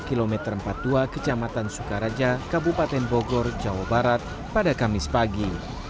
kilometer empat puluh dua kecamatan sukaraja kabupaten bogor jawa barat pada kamis pagi